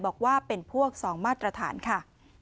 บอกว่าเป็นพวก๒มาตรฐานค่ะ